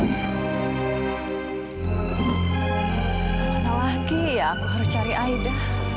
kemana lagi ya aku harus cari aida